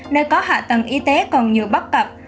nơi có hạ tầng y tế còn nhiều bất cập